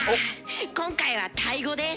今回はタイ語です。